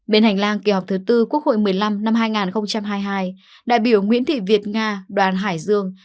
bên hành lang kỳ họp thứ tư quốc hội một mươi năm năm hai nghìn hai mươi hai đại biểu nguyễn thị việt nga đoàn hải dương